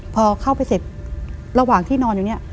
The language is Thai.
พอเข้าไปเสร็จระหว่างที่นอนอยู่เนี่ย